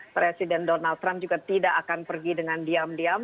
presiden donald trump juga tidak akan pergi dengan diam diam